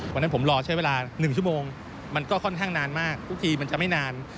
วันนั้นผมรอใช้เวลา๑ชั่วโมงมันก็ค่อนข้างนานมากทุกทีมันจะไม่นาน